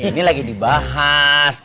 ini lagi dibahas